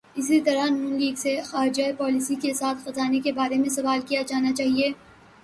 اسی طرح ن لیگ سے خارجہ پالیسی کے ساتھ خزانے کے بارے میں سوال کیا جانا چاہیے۔